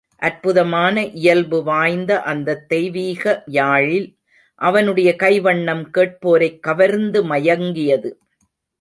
அற்புதமான இயல்பு வாய்ந்த அந்தத் தெய்வீக யாழில் அவனுடைய கைவண்ணம் கேட்போரைக் கவர்ந்து மயங்கியது.